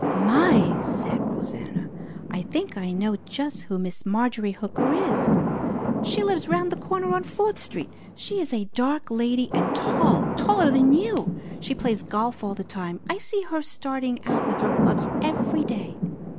"My!" said Rosanna. "I think I know just who Miss Marjorie Hooker is. She lives round the corner on Fourth Street. She is a dark lady, and tall; taller than you. She plays golf all the time. I see her starting out with her clubs every day."